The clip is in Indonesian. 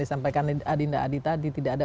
disampaikan adinda adi tadi tidak ada